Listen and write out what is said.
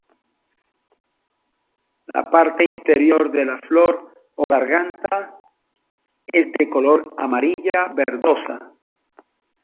La parte interior de la flor o garganta es de color amarilla verdosa.